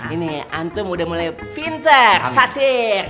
ini antum udah mulai pinter satir